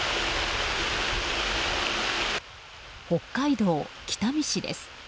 北海道北見市です。